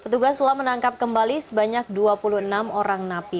petugas telah menangkap kembali sebanyak dua puluh enam orang napi